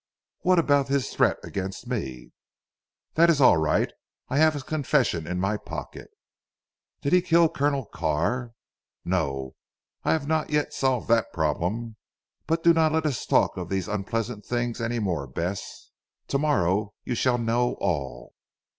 "What about his threat against me?" "That is alright. I have his confession in my pocket." "Did he kill Colonel Carr?" "No! I have not yet solved that problem. But do not let us talk of these unpleasant things any more Bess. To morrow you shall know all.